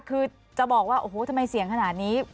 คือจะบอกว่าโอ้โหทำไมเสียงขนาดนี้